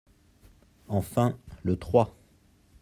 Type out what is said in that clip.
Enfin, le trois.